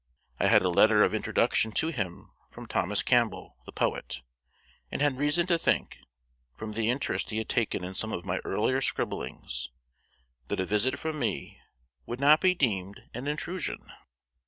I had a letter of introduction to him from Thomas Campbell, the poet, and had reason to think, from the interest he had taken in some of my earlier scribblings, that a visit from me would not be deemed an intrusion.